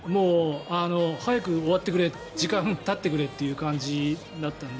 早く終わってくれ時間たってくれという感じだったので。